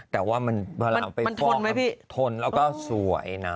แต่ว่าพอเราไปฟอกทนแล้วก็สวยนะ